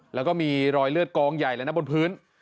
แล้วก็มีรอยเลือดกองใหญ่เลยนะบนพื้น